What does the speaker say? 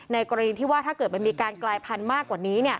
กรณีที่ว่าถ้าเกิดมันมีการกลายพันธุ์มากกว่านี้